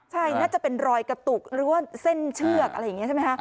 ใช่น่าจะเป็นรอยกระตุกหรือว่าเส้นเชือกอะไรอย่างนี้ใช่ไหมคะ